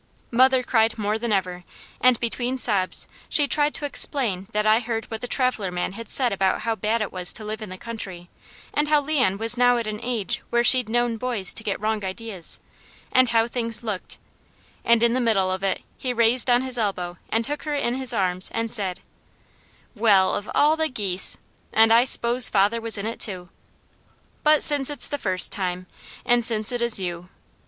Mother cried more than ever, and between sobs she tried to explain that I heard what the traveller man had said about how bad it was to live in the country; and how Leon was now at an age where she'd known boys to get wrong ideas, and how things looked, and in the middle of it he raised on his elbow and took her in his arms and said: "Well of all the geese! And I 'spose father was in it too! But since it's the first time, and since it is you